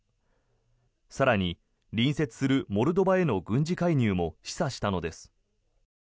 更に、隣接するモルドバへの軍事介入も示唆したのです。